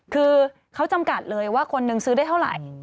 คือเขาจำกัดเลยว่าคนนึงซื้อได้เท่าไหร่